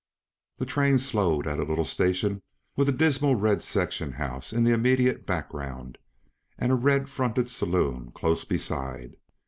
The train slowed at a little station with a dismal red section house in the immediate background and a red fronted saloon close beside.